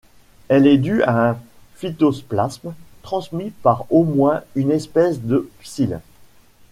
Elle est due à un phytoplasme transmis par au moins une espèce de psylle.